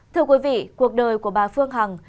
thưa quý vị cuộc đời của bà phương hằng